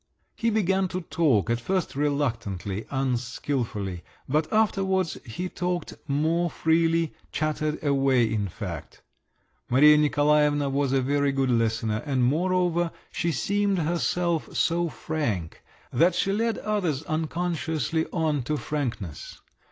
He began to talk—at first reluctantly, unskilfully—but afterwards he talked more freely, chattered away in fact. Maria Nikolaevna was a very good listener; and moreover she seemed herself so frank, that she led others unconsciously on to frankness.